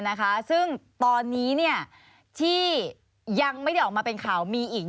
นะคะซึ่งตอนนี้เนี่ยที่ยังไม่ได้ออกมาเป็นข่าวมีอีก